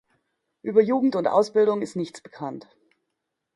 Über Jugend und Ausbildung ist nichts bekannt.